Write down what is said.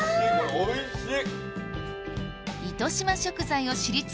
おいしい。